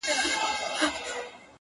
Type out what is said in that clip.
موږ چي غله سوو، بيا سپوږمۍ راوخته.